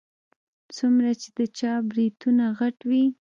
څومره چې د چا برېتونه غټ وي.